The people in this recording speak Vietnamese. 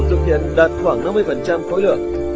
thực hiện đạt khoảng năm mươi khối lượng